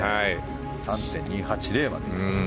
３．２８０まで行きます。